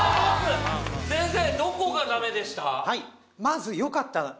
先生どこがダメでした？